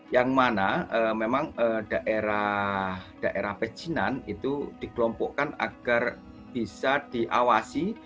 yang mana memang daerah pecinan itu dikelompokkan agar bisa diawasi